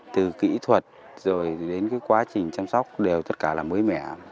từ kỹ thuật rồi đến cái quá trình chăm sóc đều tất cả là mới mẻ